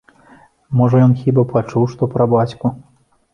Можа, ён хіба пачуў што пра бацьку.